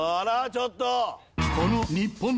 ちょっと！